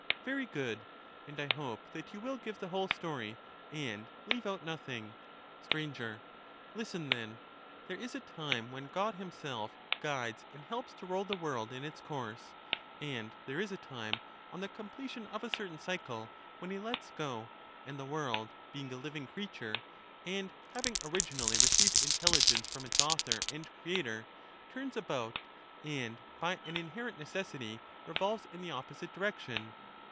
Very good ; and I hope that you will give the whole story, and leave out nothing. Sir. Listen, then. There is a time when God himself The whole guides and helps to roll the world in its course ; and there is ^ory*_ a time, on the completion of a certain cycle, when he lets go, There is a and the world being a living creature, and having originally ^ ^^y^ received intelligence from its author and creator, turns and guides about and by an inherent necessity revolves in the opposite ^^Tho^' direction.